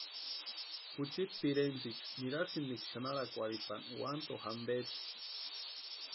Juchiiti pirentsïcha nirasïntiksï xanharakwarhipani Uanto jamperi.